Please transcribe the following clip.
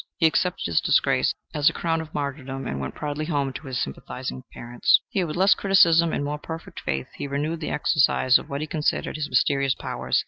He accepted his disgrace as a crown of martyrdom, and went proudly home to his sympathizing parents. Here, with less criticism and more perfect faith, he renewed the exercise of what he considered his mysterious powers.